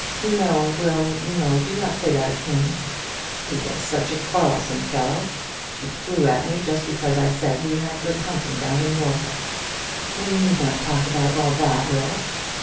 "No, Will; no; do not say that of him." "He was such a quarrelsome fellow. He flew at me just because I said we had good hunting down in Norfolk." "We need not talk about all that, Will."